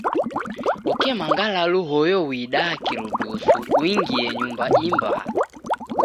Oke mangalalu hoyo uidaa kirudusu ungie nyumba i mbaa.